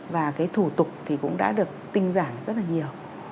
và thủ tục cũng đã được tinh giản rất nhiều